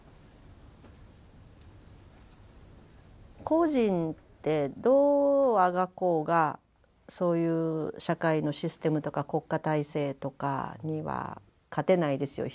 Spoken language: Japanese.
個人ってどうあがこうがそういう社会のシステムとか国家体制とかには勝てないですよ。